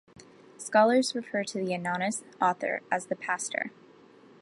Scholars refer to the anonymous author as "the Pastor".